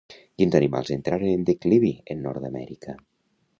Quins animals entraren en declivi en Nord-amèrica?